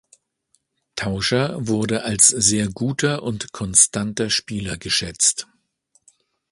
Tauscher wurde als sehr guter und konstanter Spieler geschätzt.